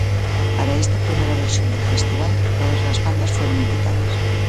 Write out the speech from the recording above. Para esta primera versión del festival todas las bandas fueron invitadas.